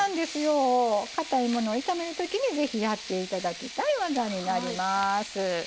かたいものを炒めるときにぜひやっていただきたい技になります。